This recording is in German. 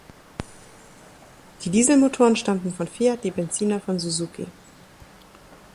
Die Dieselmotoren stammten von Fiat, die Benziner von Suzuki.